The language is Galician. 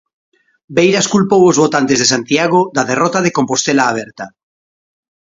Beiras culpou os votantes de Santiago da derrota de Compostela Aberta.